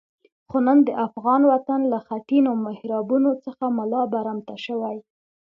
خو نن د افغان وطن له خټینو محرابونو څخه ملا برمته شوی.